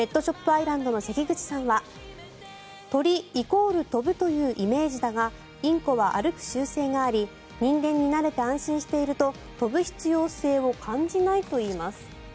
アイランドの関口さんは鳥イコール飛ぶというイメージだがインコは歩く習性があり人間になれて安心していると飛ぶ必要性を感じないといいます。